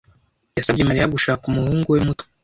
Yasabye Mariya gushaka umuhungu we muto.